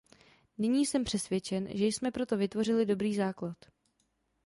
Nyní jsem přesvědčen, že jsme pro to vytvořili dobrý základ.